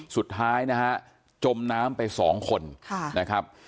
สุดท้ายนะฮะจมน้ำไป๒คนนะครับ